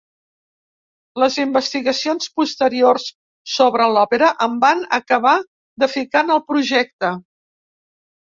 Les investigacions posteriors sobre l'òpera em van acabar de ficar en el projecte.